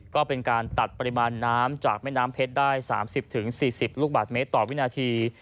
ก็เป็นการตัดปริมาณน้ำจากแม่น้ำเพชรได้๓๐๔๐ลูกบาทเมตรต่อวินาที